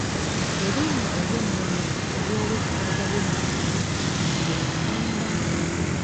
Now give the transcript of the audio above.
Erinnya ery’ennono ery’owessaza ly’e Ssingo ye Mukwenda.